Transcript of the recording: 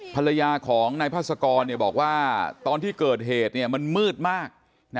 ภรรยาของนายพาสกรบอกว่าตอนที่เกิดเหตุมันมืดมาก